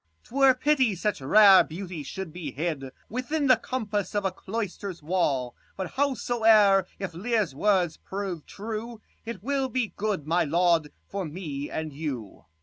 'Twere pity such rare beauty should be hid Within the compass of a cloister's wall : 60 But howsoe'er, if Leir's words prove true, It will be good, my lord, for me and you.